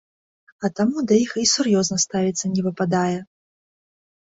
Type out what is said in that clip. А таму да іх і сур'ёзна ставіцца не выпадае.